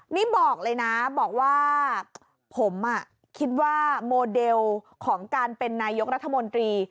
นี่บอกเลยนะบอกว่าผมคิดว่าโมเดลของการเป็นนายกรัฐมนตรี